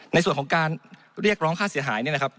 ในส่วนของการเรียกร้องค่าเสียหายเนี่ยนะครับ